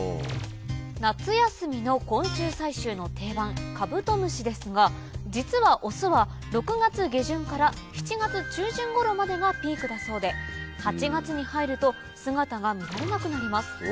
夏休みの昆虫採集の定番カブトムシですが実はオスは６月下旬から７月中旬頃までがピークだそうで８月に入ると姿が見られなくなります